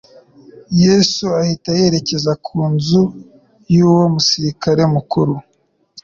Yesu ahita yerekeza ku nzu y'uwo musirikari mukuru;